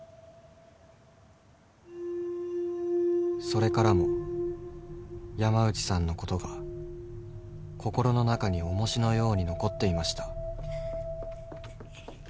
［それからも山内さんのことが心の中に重しのように残っていました］